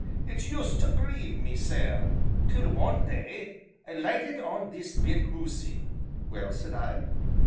it used tae grieve me sair till, one day, I lighted on this bit hoosie." "Well?" said I.